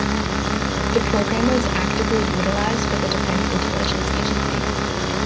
The program was actively utilized by the Defense Intelligence Agency.